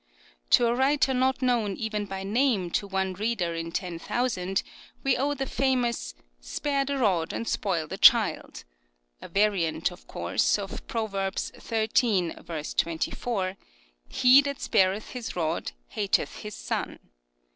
To a writer not known even by name to one reader in ten thousand we owe POPULAR PROVERBS 269 the famous " Spare the rod and spoil the child "— a variant, of course, of Proverbs xiii. 24 :" He that spareth his rod hateth his son."